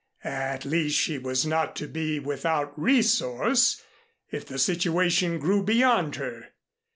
At least she was not to be without resource if the situation grew beyond her.